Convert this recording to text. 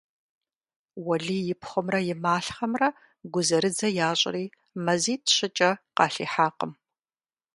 Уэлий и пхъумрэ и малъхъэмрэ гузэрыдзэ ящӀри, мазитӀ-щыкӀэ къалъихьакъым.